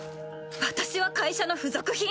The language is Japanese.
私は会社の付属品？